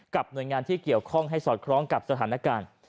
หน่วยงานที่เกี่ยวข้องให้สอดคล้องกับสถานการณ์